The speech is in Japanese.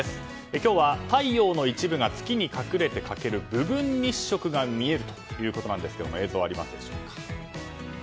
今日は、太陽の一部が月に隠れて欠ける部分日食が見えるということなんですが映像、ありますでしょうか。